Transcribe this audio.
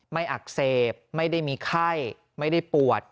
อักเสบไม่ได้มีไข้ไม่ได้ปวด